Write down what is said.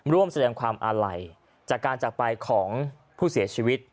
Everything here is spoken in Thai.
ร่วมแสดงความอาลัยจากการจักรไปของผู้เสียชีวิต